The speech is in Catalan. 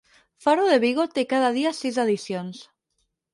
Faro de Vigo té cada dia sis edicions.